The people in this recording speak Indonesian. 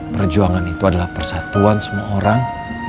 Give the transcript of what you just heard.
perjuangan itu adalah persatuan semua orang